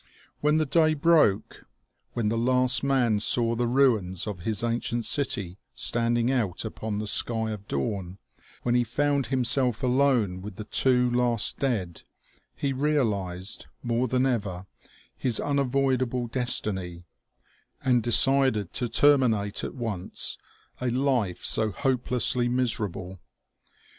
When the day broke, 248 OMEGA. when the last man saw the ruins of his ancient city standing out upon the sky of dawn, when he found himself alone with the two last dead, he realized more than ever his unavoidable destiny, and decided to ter minate at once a life so hopelessly miserable.